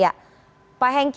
ya pak hengki